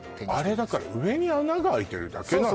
あれだから上に穴が開いてるだけなの？